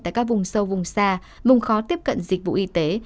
tại các vùng sâu vùng xa vùng khó tiếp cận dịch vụ y tế